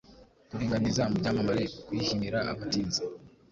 Kuringaniza mubyamamare Kwihimira Abatinze